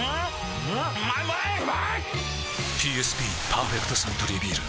ＰＳＢ「パーフェクトサントリービール」